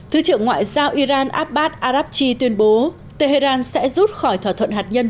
thứ trưởng ngoại giao iran abbas arabchi tuyên bố tehran sẽ rút khỏi thỏa thuận hạt nhân